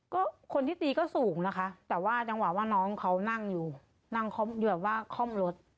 ก็คนที่ตีก็สูงนะคะแต่ว่าจังหวะว่าน้องเขานั่งอยู่นั่งแบบว่าคล่อมรถ